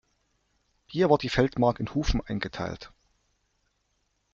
Hier war die Feldmark in Hufen eingeteilt.